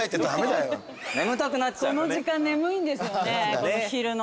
この時間眠いんですよね昼の。